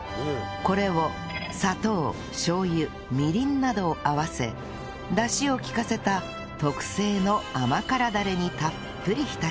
これを砂糖しょう油みりんなどを合わせダシを利かせた特製の甘辛ダレにたっぷり浸し